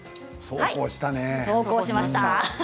そうこうしたね。